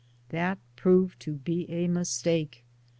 That proved to be a mistake.